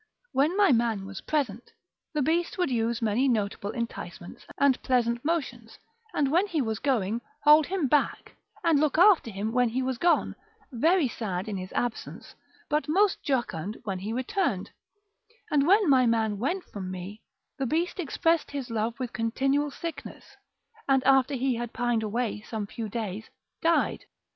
When my man was present, the beast would use many notable enticements and pleasant motions, and when he was going, hold him back, and look after him when he was gone, very sad in his absence, but most jocund when he returned: and when my man went from me, the beast expressed his love with continual sickness, and after he had pined away some few days, died.